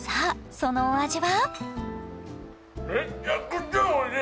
そのお味は？